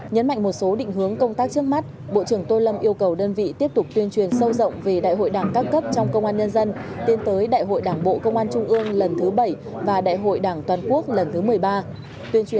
nhấn mạnh một số định hướng công tác trước mắt bộ trưởng tô lâm yêu cầu đơn vị tiếp tục tuyên truyền sâu rộng về đại hội đảng các cấp trong công an nhân dân tiến tới đại hội đảng bộ công an trung ương lần thứ bảy và đại hội đảng toàn quốc lần thứ một mươi ba